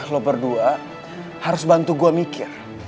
lo berdua harus bantu gua mikir